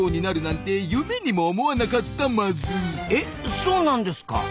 そうなんですか？